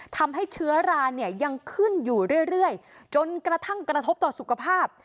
ทำให้เชื้อราเนี่ยยังขึ้นอยู่เรื่อยจนกระทั่งกระทบต่อสุขภาพ